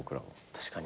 確かに。